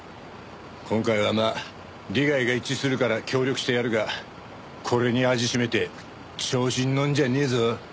今回はまあ利害が一致するから協力してやるがこれに味占めて調子にのるんじゃねえぞ。